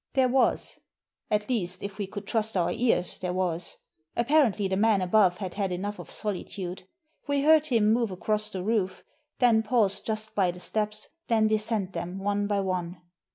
There was — at least, if we could trust our ears, there was. Apparently the man above had had enough of solitude. We heard him move across the roof, then pause just by the steps, then descend them one by one.